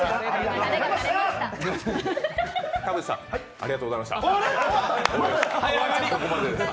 田渕さん、ありがとうございましたここまでです。